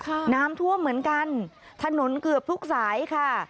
น้ำท่วมเหมือนกันถนนเกือบทุกสายค่ะ